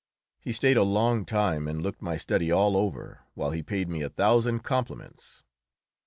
He stayed a long time and looked my study all over, while he paid me a thousand compliments.